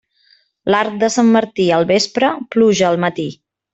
L'arc de Sant Martí al vespre, pluja al matí.